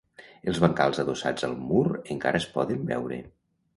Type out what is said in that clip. Els bancals adossats al mur encara es poden veure.